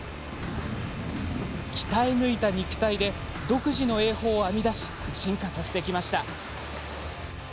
鍛え抜いた肉体で独自の泳法を編み出し進化させてきました。